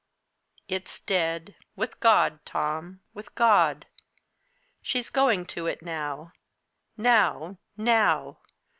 It's dead with God, Tom, with God! She's going to it now now, now!